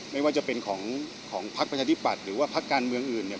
ไม่ว่าจะเป็นของพักประชาธิปัตย์หรือว่าพักการเมืองอื่นเนี่ย